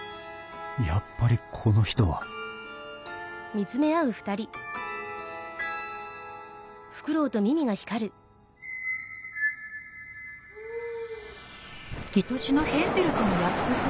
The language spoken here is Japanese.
やっぱりこの人はいとしのヘンゼルとの約束？